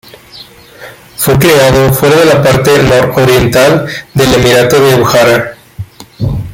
Fue creado fuera de la parte nororiental del Emirato de Bujará.